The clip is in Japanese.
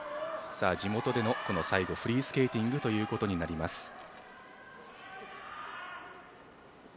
地元での最後フリースケーティングということになります。